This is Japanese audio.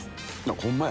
ホンマや！